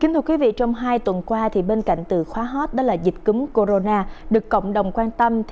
kính thưa quý vị trong hai tuần qua bên cạnh từ khóa hot dịch cúm corona được cộng đồng quan tâm